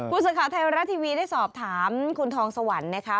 ภูสถาไทยอำราศทีวีได้สอบถามคุณทองสวรรค์นะคะ